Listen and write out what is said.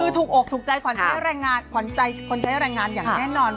คือถูกอกเที่ยวทุกตัวฝันใจคนใช้อะไรงานอย่างแน่นอน